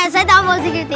saya tau positi